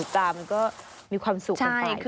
ตามันก็มีความสุขกันไป